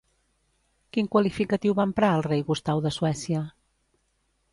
Quin qualificatiu va emprar el rei Gustau de Suècia?